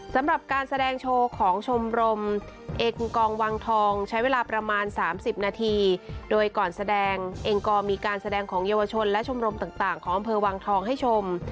สำหรับการแสดงโชว์ของชมรมเอกูกองวังทองใช้เวลาประมาณ๓๐นาทีโดยก่อนแสดงเองก็มีการแสดงของเยาวชนและชมรมต่างของอำเภอวังทองให้ชม